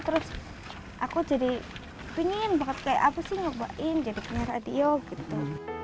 terus aku jadi pengen banget kayak apa sih nyobain jadi kenal radio gitu